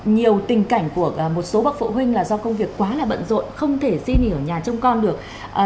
nhiều tình cảnh của một số bậc phụ huynh là do công việc quá là bận rộn không thể xin ở nhà chung con được